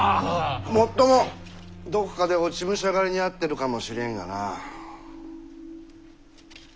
もっともどこかで落ち武者狩りに遭ってるかもしれんがな。